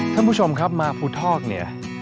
ท่านผู้ชมครับมาภูทอกเนี่ย